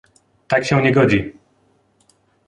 Tak się nie godzi!